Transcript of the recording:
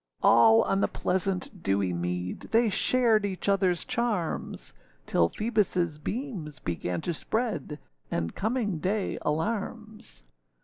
All on the pleasant dewy mead, They shared each otherâs charms; Till Phoebusâ beams began to spread, And coming day alarms.